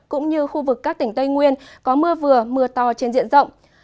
cũng như khu vực các tỉnh tây nguyên có mưa vừa mưa to trên diện rộng